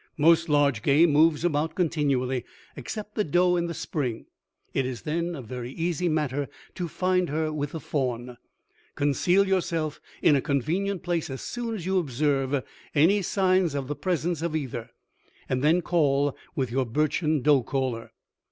Most large game moves about continually, except the doe in the spring; it is then a very easy matter to find her with the fawn. Conceal yourself in a convenient place as soon as you observe any signs of the presence of either, and then call with your birchen doe caller.